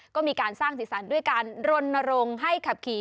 ก็มีการสร้างศีรษะด้วยการโรนรงให้ขับขี่